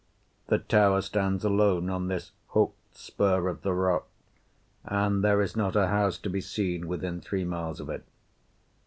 The tower stands alone on this hooked spur of the rock, and there is not a house to be seen within three miles of it.